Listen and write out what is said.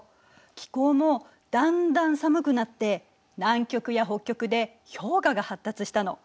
気候もだんだん寒くなって南極や北極で氷河が発達したの。